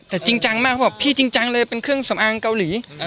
แต่จริงจังมากเขาบอกพี่จริงจังเลยเป็นเครื่องสำอางเกาหลี